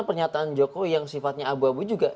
pernyataan jokowi yang sifatnya abu abu juga